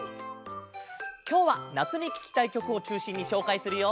きょうは夏にききたいきょくをちゅうしんにしょうかいするよ。